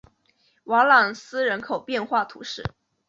瓦朗斯人口变化图示